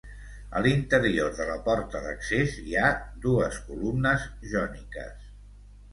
A l'interior de la porta d'accés hi ha dues columnes jòniques.